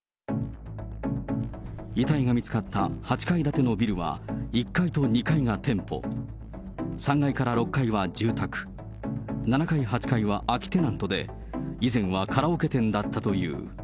遺体が見つかった８階建てのビルは、１階と２階が店舗、３階から６階は住宅、７階、８階は空きテナントで、以前はカラオケ店だったという。